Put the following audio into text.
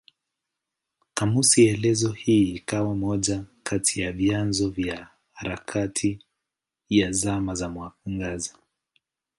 Kamusi elezo hii ikawa moja kati ya vyanzo vya harakati ya Zama za Mwangaza.